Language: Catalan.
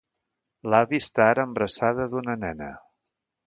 L"Abby està ara embarassada d'una nena.